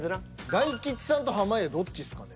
大吉さんと濱家どっちですかね？